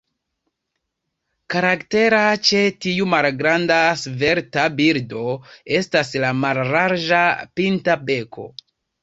Karaktera ĉe tiu malgranda, svelta birdo estas la mallarĝa, pinta beko.